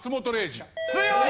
強い！